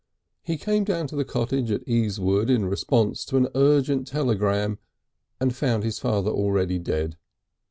He came down to the cottage at Easewood in response to an urgent telegram, and found his father already dead.